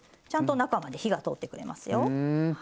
ちゃんと中まで火が通ってくれますよ。